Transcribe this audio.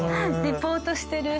リポートしてる。